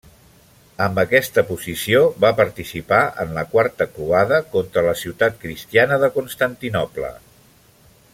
Amb aquesta posició, va participar en la Quarta Croada contra la ciutat cristiana de Constantinoble.